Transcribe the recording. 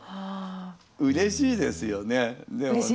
うれしいですよねでもね。